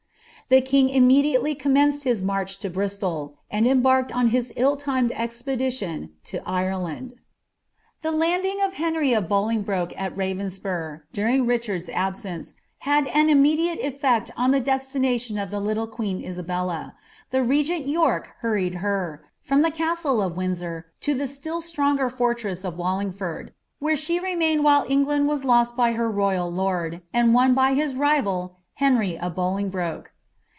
The kin^ immediately commenced his march to Bristol, and embarked on his ill timed expedition lo Ireland. The landing of llenry of Bolingbroke al Ravenspiir, during Hichard^ absence, had an immediate eflert on the declination of the little quaen laabelU ; the regent York hurried her, from the casllc of Windsor, 10 ihe Blill stronger fortress of Wullingford. where ehn remained while Ensiaiid was lost by lier royal lord, and won by his rivul, Henry of bolingbroke.